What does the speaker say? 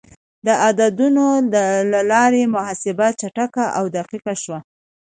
د عددونو له لارې محاسبه چټکه او دقیق شوه.